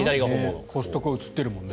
コストコが写ってるもんね。